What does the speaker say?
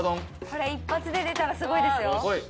それ一発で出たらすごいですよこい！